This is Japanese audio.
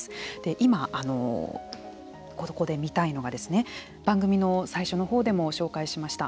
今、ここで見たいのが番組の最初のほうでも紹介しました